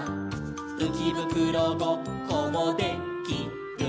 「うきぶくろごっこもで・き・る」